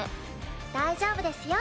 大丈夫ですよ